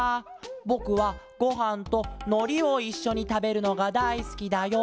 ぼくはごはんとのりをいっしょにたべるのがだいすきだよ」。